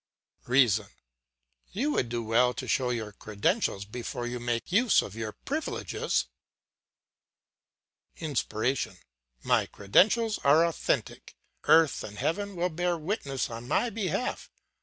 "REASON: You would do well to show your credentials before you make use of your privileges. "INSPIRATION: My credentials are authentic, earth and heaven will bear witness on my behalf.